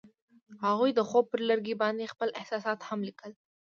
هغوی د خوب پر لرګي باندې خپل احساسات هم لیکل.